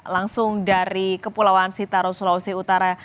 langsung dari kepulauan sitaro sulawesi utara